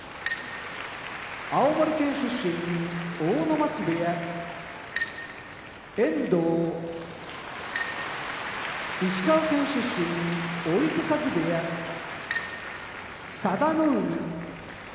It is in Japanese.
青森県出身阿武松部屋遠藤石川県出身追手風部屋佐田の海